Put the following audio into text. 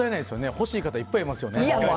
欲しい方いっぱいいますよね。